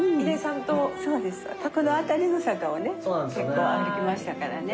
ここの辺りの坂をね結構歩きましたからね。